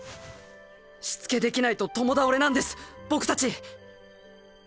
しつけできないと共倒れなんです僕たち！